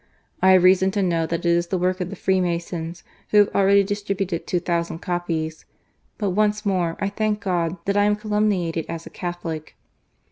I have reason to know that it is the work of the Free masons, who ha\e already distributed two thousand copies. But once more I thank God that I am calumniated as a Catholic."